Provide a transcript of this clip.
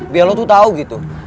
biar lo tuh tau gitu